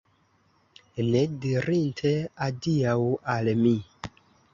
Ne dirinte adiaŭ al mi!